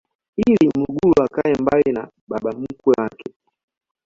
ili mlugulu akae mbali na baba mkwe wake